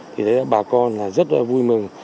thì thấy là bà con rất là vui mừng